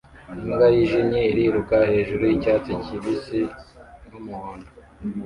Imbwa yijimye iriruka hejuru yicyatsi kibisi numuhondo